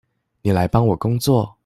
妳來幫我工作